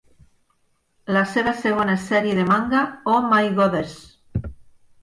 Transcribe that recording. La seva segona sèrie de manga Oh My Goddess!